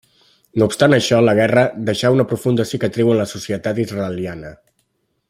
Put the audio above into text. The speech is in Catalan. No obstant això la guerra deixà una profunda cicatriu en la societat israeliana.